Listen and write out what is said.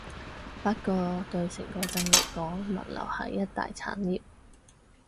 不過對整個鎮嚟講，物流係一大產業